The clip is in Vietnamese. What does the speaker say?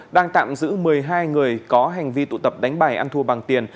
đang tạm giữ một mươi hai người có hành vi tụ tập đánh bài ăn thua bằng tiền